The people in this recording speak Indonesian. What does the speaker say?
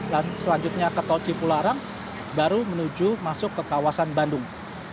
dan selanjutnya ke tol cipularang baru menuju masuk ke kawasan bandung